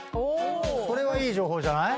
それはいい情報じゃない？